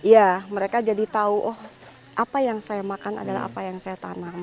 ya mereka jadi tahu oh apa yang saya makan adalah apa yang saya tanam